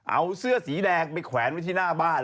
เอาเสื้อสีแดงไปแขวนไว้ที่หน้าบ้าน